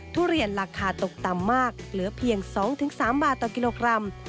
ทุเรียนราคาตกต่ำมากเหลือเพียง๒๓บาทต่อกิโลกรัม